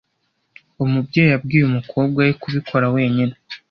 Umubyeyi yabwiye umukobwa we kubikora wenyine.